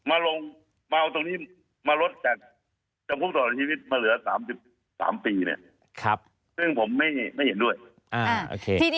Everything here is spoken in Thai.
อ่าโอเค